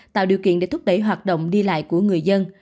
tạo điều kiện để thúc đẩy hoạt động đi lại của người dân